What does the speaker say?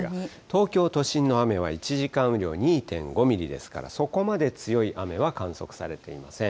東京都心の雨は１時間雨量２．５ミリですから、そこまで強い雨は観測されていません。